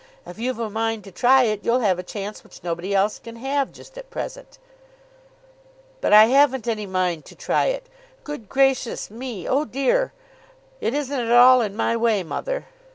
"If you've a mind to try it you'll have a chance which nobody else can have just at present." "But I haven't any mind to try it. Good gracious me; oh dear! it isn't at all in my way, mother."